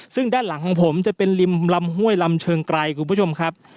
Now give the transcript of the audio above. ซึ่งด้านหลังของผมจะเป็นริมลำห้วยลำเชิงไกรคุณผู้ชมครับ